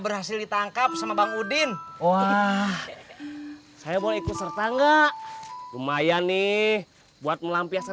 berhasil ditangkap sama bang udin wah saya boleh ikut serta enggak lumayan nih buat melampiaskan